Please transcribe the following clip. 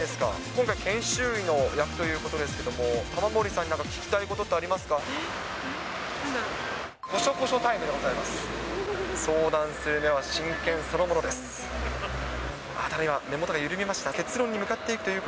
今回、研修医の役ということですけれども、玉森さんに何か聞きたいことなんだろう。